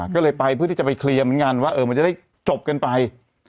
ก็เลยไปเพื่อที่จะไปเคลียร์เหมือนกันว่ามันจะได้จบกันไป